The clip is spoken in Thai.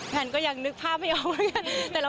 แพนก็ยังนึกภาพไม่ออกมากัน